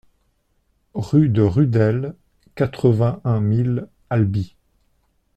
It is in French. Rue de Rudel, quatre-vingt-un mille Albi